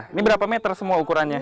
ini berapa meter semua ukurannya